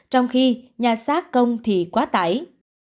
trong khi nhà xác công thì quá tải